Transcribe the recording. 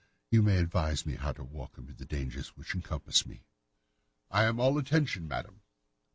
You may advise me how to walk amid the dangers which encompass me." "I am all attention, madam."